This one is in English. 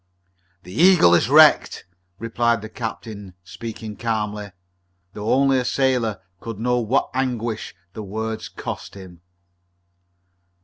"The Eagle is wrecked," replied the captain, speaking calmly, though only a sailor could know what anguish the words cost him.